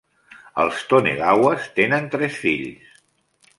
Els Tonegawas tenen tres fills.